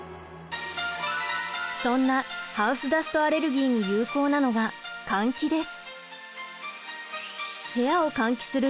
そんなハウスダストアレルギーに有効なのが換気です。